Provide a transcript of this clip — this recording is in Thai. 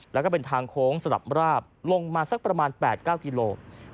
และก็เป็นทางโค้งสลับราบลงมาประมาณ๘๙กิโลกรัม